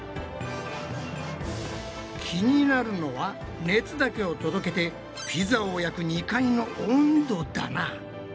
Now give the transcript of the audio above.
気になるのは熱だけを届けてピザを焼く２階の温度だな。